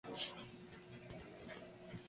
Tiene las raíces tuberosas.